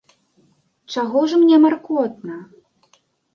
Чаго ж мне маркотна?